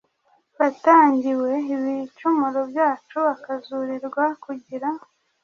watangiwe ibicumuro byacu akazurirwa kugira